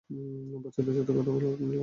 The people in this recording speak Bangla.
বাচ্চাদের সাথে কথা বললাম আজ।